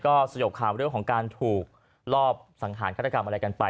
ก็สยบข่าวเรื่องของการถูกลอบสังหารฆาตกรรมอะไรกันไป